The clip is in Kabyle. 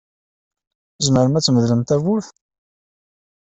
Tzemrem ad tmedlem tawwurt?